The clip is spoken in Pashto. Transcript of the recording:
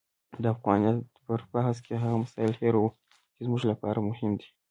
د افغانیت پر بحث کې هغه مسایل هیروو چې زموږ لپاره مهم دي.